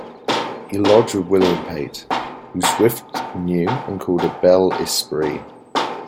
He lodged with William Pate, whom Swift knew and called a ""bel esprit"".